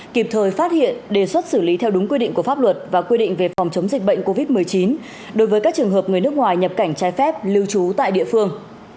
kịp thời phát hiện đề xuất xử lý theo đúng quy định của pháp luật và quy định về phòng chống dịch bệnh covid một mươi chín đối với các trường hợp người nước ngoài nhập cảnh trái phép lưu trú tại địa phương